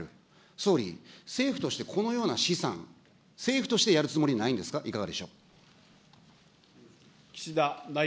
総理、政府としてこのような試算、政府としてやるつもりないんですか、いかがでしょう。